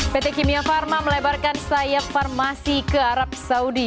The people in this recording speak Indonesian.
pt kimia pharma melebarkan sayap farmasi ke arab saudi